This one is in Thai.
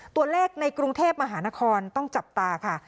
ตัวเลขในกรุงเทพมหานครต้องจับตาค่ะ